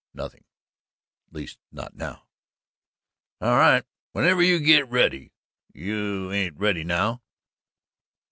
"Nothing at least not now." "All right whenever you git ready. You ain't ready now?"